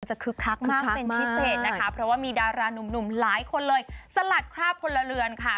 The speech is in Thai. คึกคักมากเป็นพิเศษนะคะเพราะว่ามีดารานุ่มหลายคนเลยสลัดคราบพลเรือนค่ะ